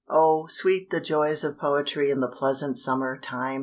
Oh, sweet the joys of poetry In the pleasant summer time!